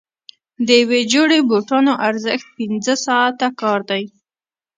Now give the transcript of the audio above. د یوې جوړې بوټانو ارزښت پنځه ساعته کار دی.